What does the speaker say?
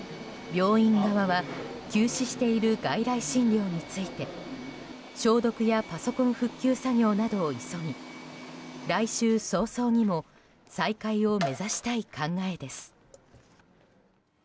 病院側は休止している外来診療について消毒やパソコン復旧作業などを急ぎ来週早々にも再開を目指したい考えです。